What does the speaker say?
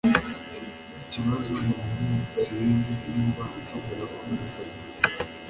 Ikibazo nubu sinzi niba nshobora kukwizera